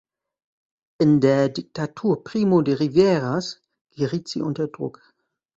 In der Diktatur Primo de Riveras geriet sie unter Druck.